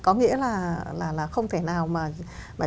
có nghĩa là không thể nào mà